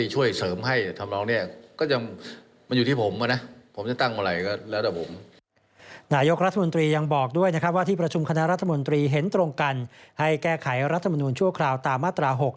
นายกรัฐมนตรียังบอกด้วยนะครับว่าที่ประชุมคณะรัฐมนตรีเห็นตรงกันให้แก้ไขรัฐมนูลชั่วคราวตามมาตรา๖